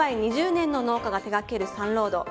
２０年の農家が手掛けるサンロード。